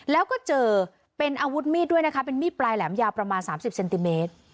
แล้วก็เจอเป็นอาวุธมีดด้วยนะคะเป็นมีดปลายแหลมยาวประมาณ๓๐เซนติเมตร